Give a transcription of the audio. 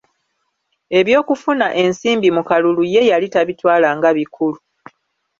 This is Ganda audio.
Eby'okufuna ensimbi mu kalulu ye yali tabitwala nga bikulu.